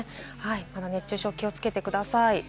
また熱中症、気をつけてください。